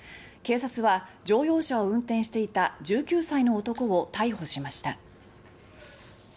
警察は乗用車を運転していた１９歳の男を逮捕しました。